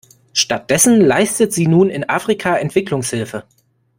Stattdessen leistet sie nun in Afrika Entwicklungshilfe.